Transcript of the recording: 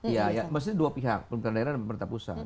ya maksudnya dua pihak pemerintah daerah dan pemerintah pusat